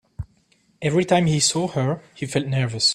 Every time he saw her, he felt nervous.